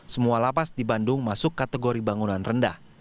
semua lapas di bandung masuk kategori bangunan rendah